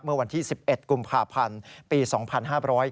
เมื่อวานที่๑๑กลุ่มภาพันธ์ปี๒๕๕๗นะครับ